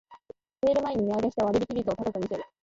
セール前に値上げして割引率を高く見せる